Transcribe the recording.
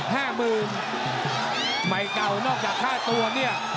๕๐๐๐๐บาทไมค์เกาะนอกจาก๕ตัวเนี่ย